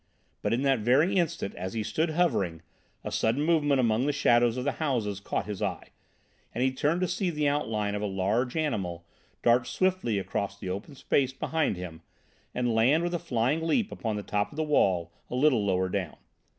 But in that very instant, as he stood hovering, a sudden movement among the shadows of the houses caught his eye, and he turned to see the outline of a large animal dart swiftly across the open space behind him, and land with a flying leap upon the top of the wall a little lower down.